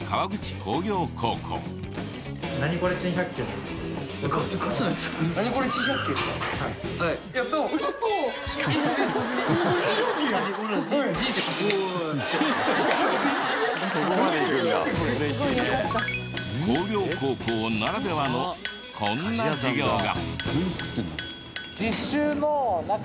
工業高校ならではのこんな授業が。